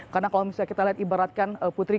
karena kalau misalnya kita lihat ibaratkan putri